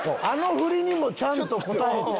あのふりにもちゃんと応える。